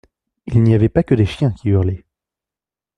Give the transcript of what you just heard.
Il n’y avait pas que des chiens qui hurlaient.